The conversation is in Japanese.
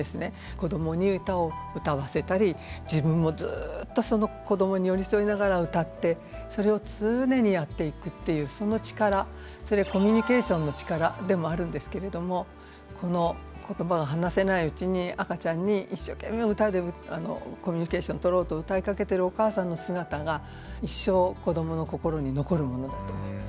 子どもに歌を歌わせたり自分もずっとその子どもに寄り添いながら歌ってそれを常にやっていくっていうその力それはコミュニケーションの力でもあるんですけれどもこの言葉が話せないうちに赤ちゃんに一生懸命歌でコミュニケーションとろうと歌いかけてるお母さんの姿が一生子どもの心に残るものだと思います。